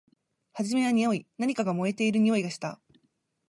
はじめはにおい。何かが燃えているにおいがした。